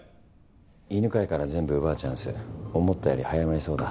犬飼から全部奪うチャンス思ったより早まりそうだ。